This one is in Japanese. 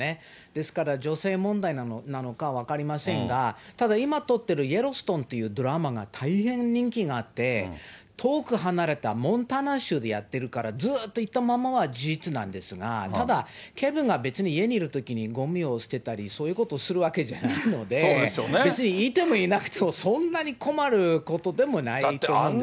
ですから、女性問題なのか分かりませんが、ただ今撮ってるイエローストーンというドラマが大変人気があって、遠く離れたモンタナ州でやってるから、ずっと行ったままは事実なんですが、ただ、ケビンが別に家にいるときにごみを捨てたり、そういうことをするわけじゃないので、別にいてもいなくても、そんなに困ることでもないと思うんですよね。